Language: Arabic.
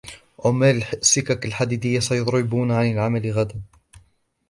عمال السكك الحديدية سيضربون عن العمل غداً.